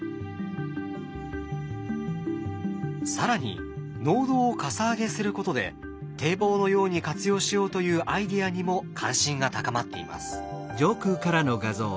更に農道をかさ上げすることで堤防のように活用しようというアイデアにも関心が高まっています。